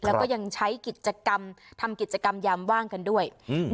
แล้วก็ยังใช้กิจกรรมทำกิจกรรมยามว่างกันด้วยอืม